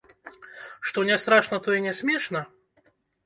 Што не страшна, тое не смешна?